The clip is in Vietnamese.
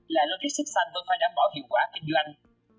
là logistics xanh vẫn phải đảm bảo hiệu quả kinh doanh